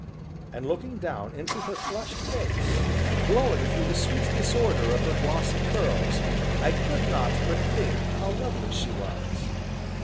And looking down into her flushed face, glowing through the sweet disorder of her glossy curls, I could not but think how lovely she was.